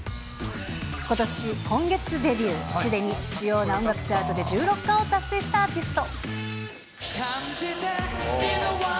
今月デビュー、すでに主要な音楽チャートで１６冠を達成したアーティスト。